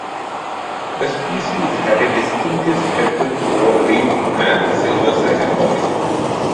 The species had a distinctive speckled lower lip and silver sided body.